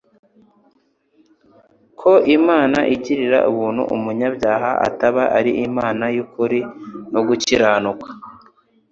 ko Imana yagirira ubuntu unmuyabyaha, itaba ari Imana y'ukuri no gukiranuka.